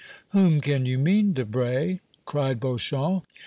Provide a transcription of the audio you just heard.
"Whom can you mean, Debray?" cried Beauchamp.